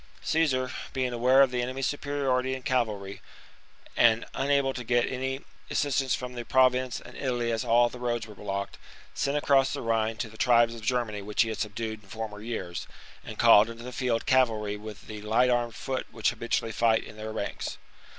Caesar, being aware of the enemy's superiority in cavalry, and unable to get any assistance from the Province and Italy as all the roads were blocked, sent across the Rhine to the tribes of Germany which he had subdued in former years, and called into the field cavalry with the light armed foot which habitually fight in their rank's.